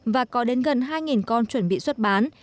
và có đến gần hai con chuẩn bị xuất bán